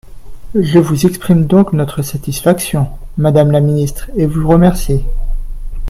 Je vous exprime donc notre satisfaction, madame la ministre, et vous remercie.